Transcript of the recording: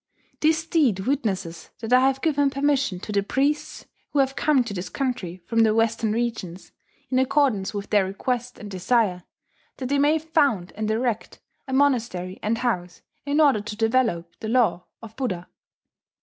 This deed witnesses that I have given permission to the priests who have come to this country from the Western regions, in accordance with their request and desire, that they may found and erect a monastery and house in order to develope the Law of Buddha.